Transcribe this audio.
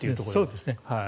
そうです。